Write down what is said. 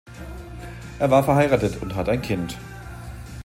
Er war verheiratet und hat ein Kind.